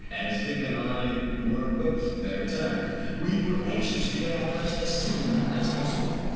As Dick and I were both very tired, we were anxious to get our rest as soon as possible.